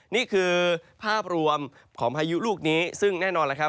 นี่คือภาพรวมของพายุลูกนี้ซึ่งแน่นอนแล้วครับ